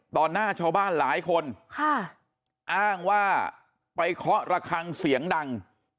หน้าชาวบ้านหลายคนค่ะอ้างว่าไปเคาะระคังเสียงดัง